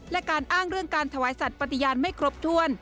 และการอ้างเรื่องการถวายสัตว์ปฏิญาณไม่ครบถ้วน